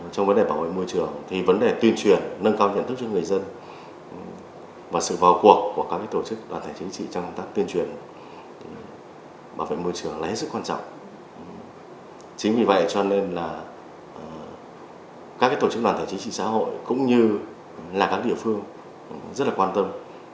chính vì vậy cho nên là các tổ chức đoàn thải chính trị xã hội cũng như là các địa phương rất là quan tâm